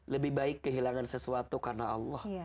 lebih baik kehilangan sesuatu karena allah